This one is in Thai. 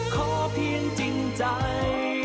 ขอเพียงจริงใจ